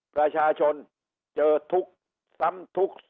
ประชาชนเท้าทุกข์สำทุกข์ซ้อน